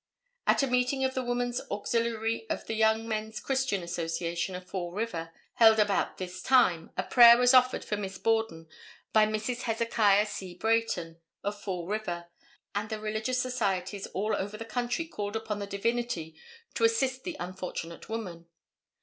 At a meeting of the Woman's Auxiliary of the Young Men's Christian Association of Fall River held about this time a prayer was offered for Miss Borden by Mrs. Hezekiah C. Brayton of Fall River, and the religious societies all over the country called upon the Divinity to assist the unfortunate woman.